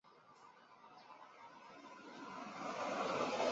民国四十一年应邀于政工干校音乐科兼课。